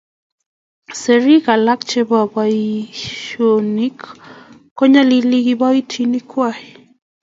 serik alak chebo boisionik ko inyalili kiboitinikwak.